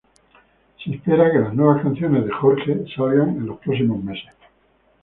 Se espera que las nuevas canciones de Jorge salgan en los próximos meses.